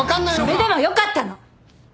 それでもよかったの。